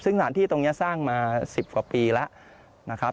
ซึ่งสถานที่ตรงนี้สร้างมา๑๐กว่าปีแล้วนะครับ